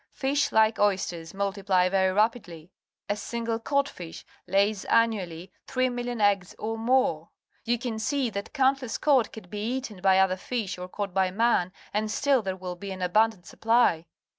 Fish, like oysters, multiply very rapidly. A single codfish lays annually 3,000,000 eggs or more. You can see that countless cod may be eaten bj^ other fish or caught by man, and still there will be an abundant supply.